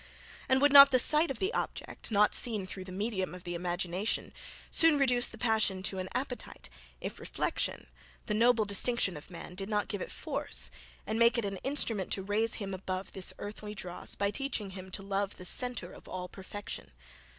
And, would not the sight of the object, not seen through the medium of the imagination, soon reduce the passion to an appetite, if reflection, the noble distinction of man, did not give it force, and make it an instrument to raise him above this earthy dross, by teaching him to love the centre of all perfection!